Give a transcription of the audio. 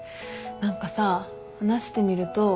何かさ話してみるとあっ